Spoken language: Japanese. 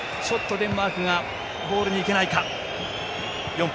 デンマークがボールにいけないか。